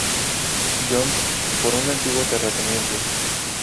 Johns, por un antiguo terrateniente.